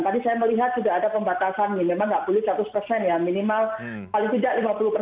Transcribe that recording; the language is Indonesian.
tadi saya melihat sudah ada pembatasan nih memang nggak boleh seratus persen ya minimal paling tidak lima puluh persen